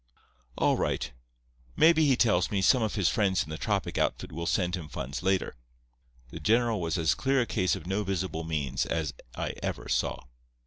All right. Maybe, he tells me, some of his friends in the tropic outfit will send him funds later. The general was as clear a case of no visible means as I ever saw.